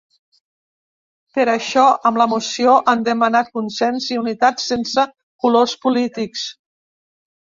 Per això, amb la moció han demanat consens i unitat sense ‘colors polítics’.